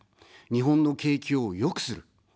日本の景気を良くする。